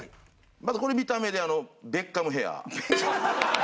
まずこれ見た目で「ベッカムヘア」。